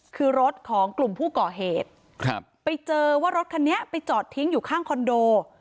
คือรถของกลุ่มผู้ก่อเหตุครับไปเจอว่ารถคันนี้ไปจอดทิ้งอยู่ข้างคอนโด